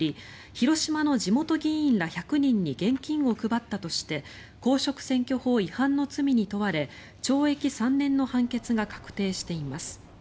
広島の地元議員ら１００人に現金を配ったとして公職選挙法違反の罪に問われ懲役３年の判決が確定しています。